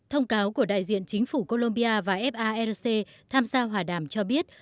thông cáo của đại diện chính phủ colombia và faroc tham gia hòa đàm cho biết